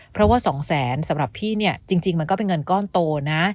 เพราะว่า๒แสนสำหรับพี่เนี่ยจริงมันก็เป็นเงินก้อนโตนะ